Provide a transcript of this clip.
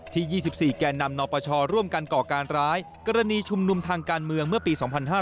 ๒๔แก่นำนปชร่วมกันก่อการร้ายกรณีชุมนุมทางการเมืองเมื่อปี๒๕๕๙